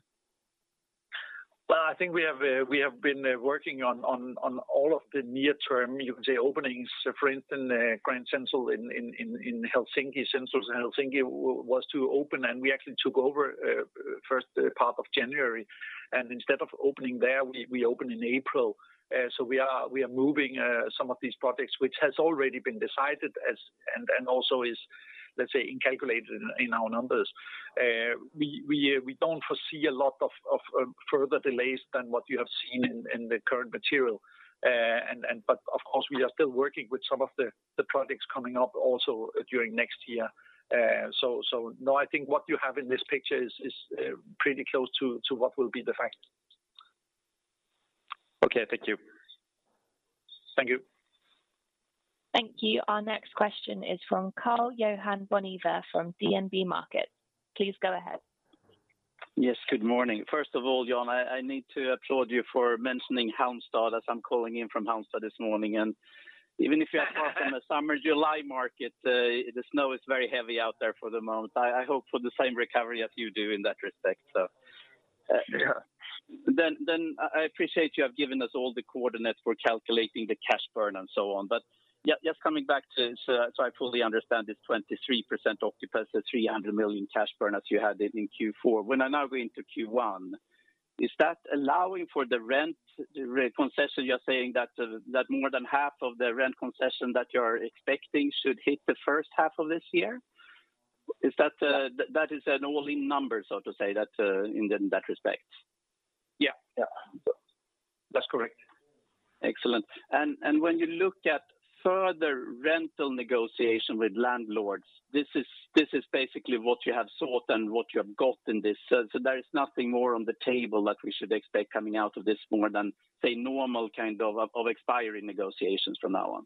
Well, I think we have been working on all of the near term, you could say, openings. For instance, Grand Central in Helsinki, Central Helsinki was to open, and we actually took over first part of January. Instead of opening there, we open in April. We are moving some of these projects, which has already been decided and also is, let's say, in calculated in our numbers. We don't foresee a lot of further delays than what you have seen in the current material. Of course, we are still working with some of the projects coming up also during next year. No, I think what you have in this picture is pretty close to what will be the fact. Okay. Thank you. Thank you. Thank you. Our next question is from Karl-Johan Bonnevier from DNB Markets. Please go ahead. Yes, good morning. First of all, Jan, I need to applaud you for mentioning Halmstad, as I am calling in from Halmstad this morning. Even if you are talking a summer July market, the snow is very heavy out there for the moment. I hope for the same recovery as you do in that respect. Yeah. I appreciate you have given us all the coordinates for calculating the cash burn and so on. Just coming back to, I fully understand this 23% occupancy, 300 million cash burn as you had it in Q4. When I now go into Q1, is that allowing for the rent concession, you're saying that more than half of the rent concession that you're expecting should hit the first half of this year? That is an all-in number, so to say, in that respect. Yeah. That's correct. Excellent. When you look at further rental negotiation with landlords, this is basically what you have sought and what you have got in this. There is nothing more on the table that we should expect coming out of this more than, say, normal kind of expiring negotiations from now on?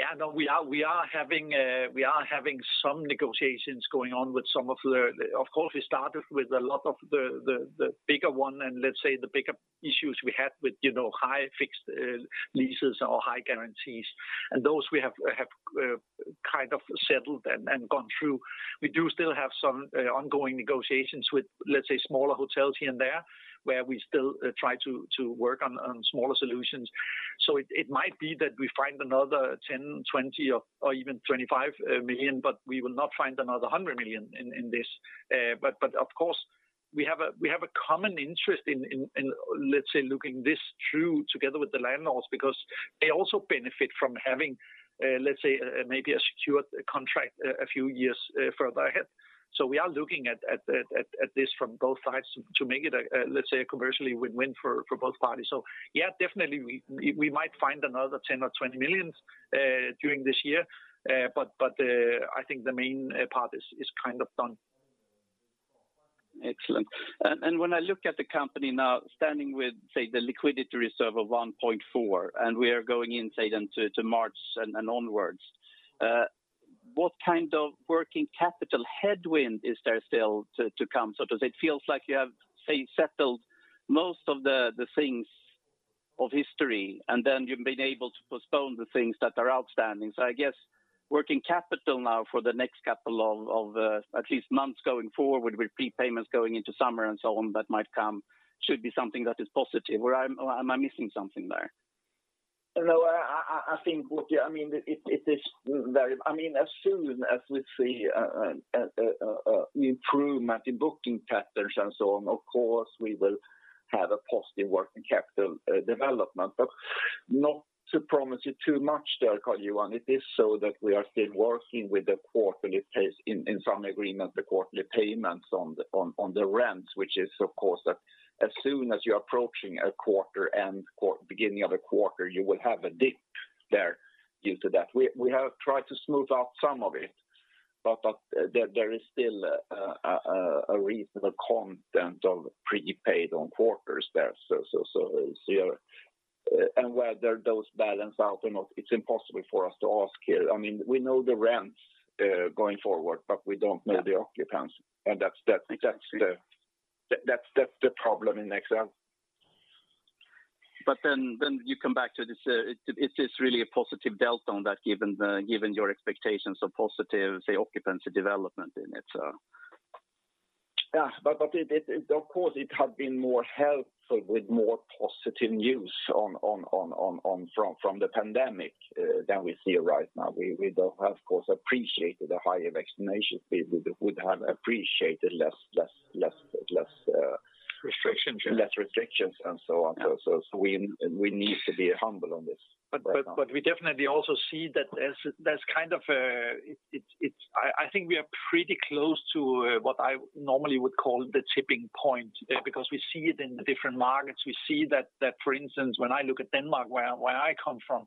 Yeah, no, we are having some negotiations going on. Of course, we started with a lot of the bigger one and, let's say, the bigger issues we had with high fixed leases or high guarantees. Those we have kind of settled and gone through. We do still have some ongoing negotiations with, let's say, smaller hotels here and there, where we still try to work on smaller solutions. It might be that we find another 10 million, 20 million, or even 25 million, but we will not find another 100 million in this. Of course, we have a common interest in, let's say, looking this through together with the landlords because they also benefit from having, let's say, maybe a secured contract a few years further ahead. We are looking at this from both sides to make it a, let's say, a commercially win-win for both parties. Yeah, definitely, we might find another 10 million or 20 million during this year. I think the main part is kind of done. Excellent. When I look at the company now standing with, say, the liquidity reserve of 1.4, and we are going in, say then, to March and onwards. What kind of working capital headwind is there still to come, so to say? It feels like you have, say, settled most of the things of history, and then you've been able to postpone the things that are outstanding. I guess working capital now for the next couple of at least months going forward with prepayments going into summer and so on that might come, should be something that is positive. Am I missing something there? No, as soon as we see improvement in booking patterns and so on, of course, we will have a positive working capital development. Not to promise you too much there, Karl-Johan. It is so that we are still working with in some agreement, the quarterly payments on the rents. Which is, of course, as soon as you're approaching a quarter and beginning of a quarter, you will have a dip there due to that. We have tried to smooth out some of it, but there is still a reasonable content of prepaid on quarters there. Whether those balance out or not, it's impossible for us to ask here. We know the rents going forward, but we don't know the occupancy, and that's the problem in itself. You come back to this, it is really a positive delta on that, given your expectations of positive, say, occupancy development in it. Of course, it had been more helpful with more positive news from the pandemic than we see right now. We have, of course, appreciated the higher vaccination- Restrictions less restrictions and so on. We need to be humble on this. We definitely also see that there's kind of a. I think we are pretty close to what I normally would call the tipping point. We see it in the different markets. We see that, for instance, when I look at Denmark, where I come from,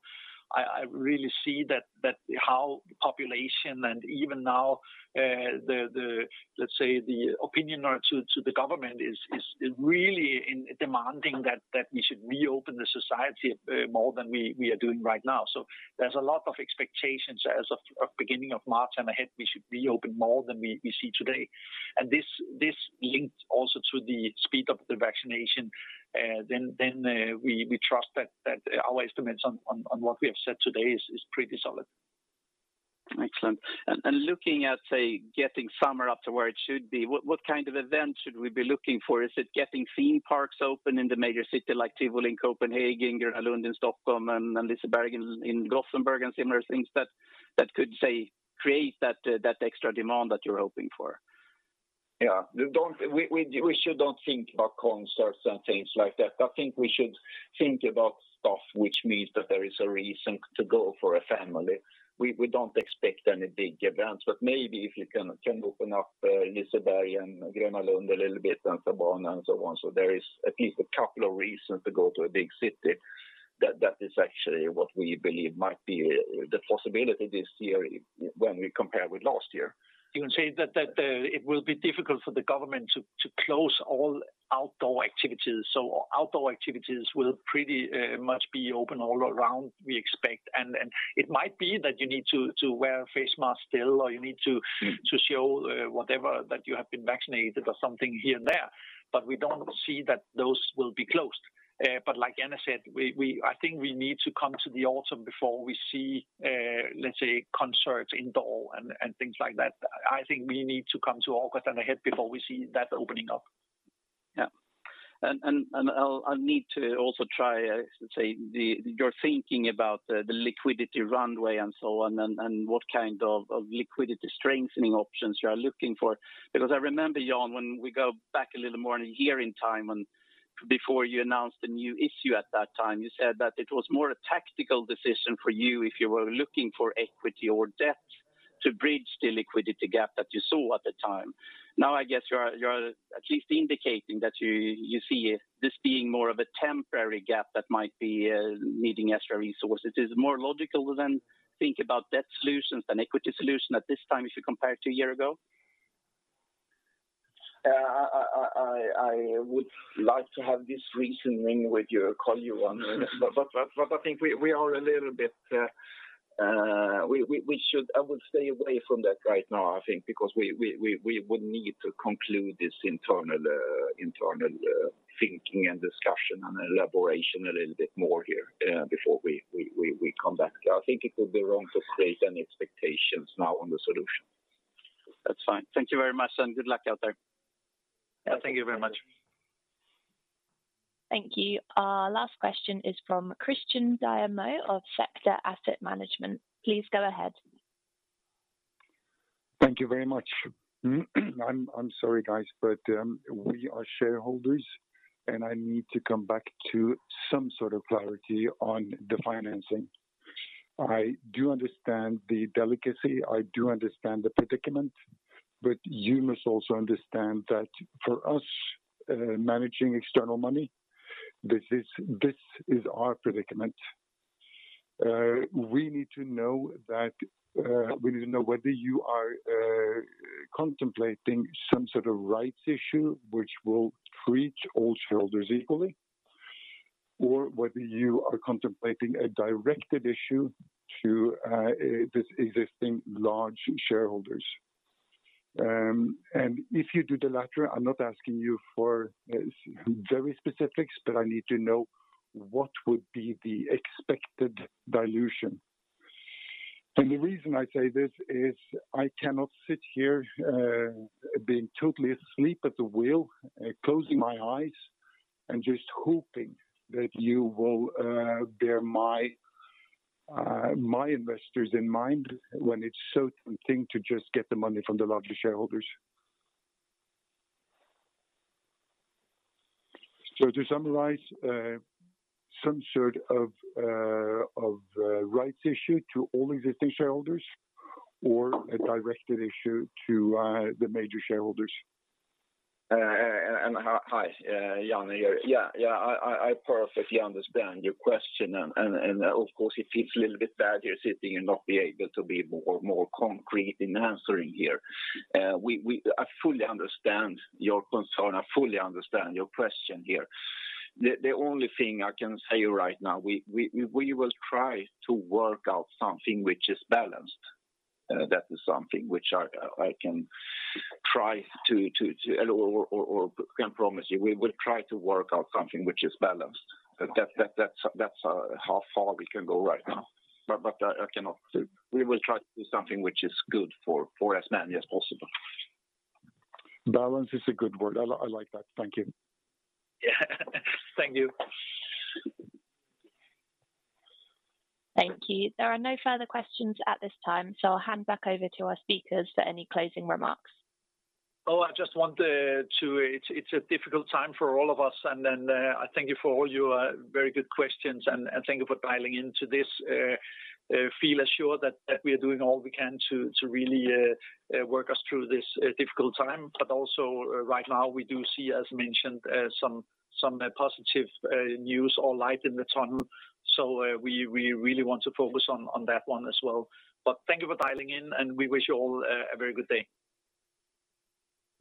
I really see that how the population, and even now, let's say, the opinion to the government is really demanding that we should reopen the society more than we are doing right now. There's a lot of expectations as of beginning of March and ahead, we should reopen more than we see today. This links also to the speed of the vaccination, then we trust that our estimates on what we have said today is pretty solid. Excellent. Looking at, say, getting summer up to where it should be, what kind of event should we be looking for? Is it getting theme parks open in the major city, like Tivoli in Copenhagen, Gröna Lund in Stockholm, and Liseberg in Gothenburg and similar things that could, say, create that extra demand that you're hoping for? Yeah. We should not think about concerts and things like that. I think we should think about stuff which means that there is a reason to go for a family. We don't expect any big events, but maybe if you can open up Liseberg and Gröna Lund a little bit, and so on and so on, so there is at least a couple of reasons to go to a big city. That is actually what we believe might be the possibility this year when we compare with last year. You can say that it will be difficult for the government to close all outdoor activities. Outdoor activities will pretty much be open all around, we expect. It might be that you need to wear a face mask still, or you need to show whatever, that you have been vaccinated or something here and there, but we don't see that those will be closed. Like Jan said, I think we need to come to the autumn before we see, let's say, concerts indoor and things like that. I think we need to come to August and ahead before we see that opening up. Yeah. I need to also try, let's say, you're thinking about the liquidity runway and so on, and what kind of liquidity strengthening options you are looking for. I remember, Jan, when we go back a little more than a year in time, and before you announced a new issue at that time, you said that it was more a tactical decision for you if you were looking for equity or debt to bridge the liquidity gap that you saw at the time. I guess you're at least indicating that you see this being more of a temporary gap that might be needing extra resources. Is it more logical then think about debt solutions than equity solution at this time if you compare it to a year ago? I would like to have this reasoning with you, Karl-Johan. I would stay away from that right now, I think, because we would need to conclude this internal thinking and discussion and elaboration a little bit more here before we come back. I think it would be wrong to create any expectations now on the solution. That's fine. Thank you very much and good luck out there. Yeah. Thank you very much. Thank you. Our last question is from Christian Dyrdal of Sector Asset Management. Please go ahead. Thank you very much. I'm sorry, guys, but we are shareholders, and I need to come back to some sort of clarity on the financing. I do understand the delicacy, I do understand the predicament, but you must also understand that for us managing external money, this is our predicament. We need to know whether you are contemplating some sort of rights issue which will treat all shareholders equally, or whether you are contemplating a directed issue to this existing large shareholders. If you do the latter, I'm not asking you for very specifics, but I need to know what would be the expected dilution. The reason I say this is I cannot sit here being totally asleep at the wheel, closing my eyes, and just hoping that you will bear my investors in mind when it's so tempting to just get the money from the larger shareholders. To summarize, some sort of rights issue to all existing shareholders or a directed issue to the major shareholders. Hi. Jan here. Yeah. I perfectly understand your question, of course, it feels a little bit bad here sitting and not being able to be more concrete in answering here. I fully understand your concern. I fully understand your question here. The only thing I can say right now, we will try to work out something which is balanced. That is something which I can try to or can promise you. We will try to work out something which is balanced. That's how far we can go right now. I cannot say. We will try to do something which is good for as many as possible. Balance is a good word. I like that. Thank you. Thank you. Thank you. There are no further questions at this time. I'll hand back over to our speakers for any closing remarks. It's a difficult time for all of us, and then I thank you for all your very good questions, and thank you for dialing into this. Feel assured that we are doing all we can to really work us through this difficult time. Right now, we do see, as mentioned, some positive news or light in the tunnel. We really want to focus on that one as well. Thank you for dialing in, and we wish you all a very good day.